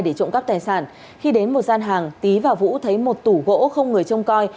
để trộm cắp tài sản khi đến một gian hàng tý và vũ thấy một tủ gỗ không người trông coi